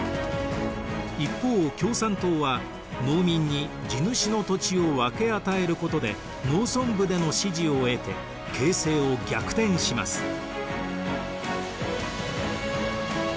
一方共産党は農民に地主の土地を分け与えることで農村部での支持を得て形勢を逆転します。